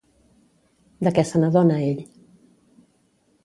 De què se n'adona ell?